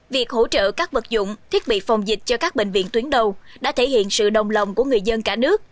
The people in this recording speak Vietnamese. việc hỗ trợ các vật dụng thiết bị phòng dịch cho các bệnh viện tuyến đầu đã thể hiện sự đồng lòng của người dân cả nước